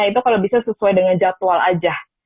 itu kalau bisa sesuai dengan jadwal aja